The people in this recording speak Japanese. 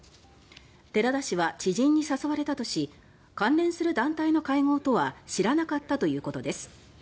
寺田氏は知人に誘われたとし関連する団体の会合とは知らなかったということです。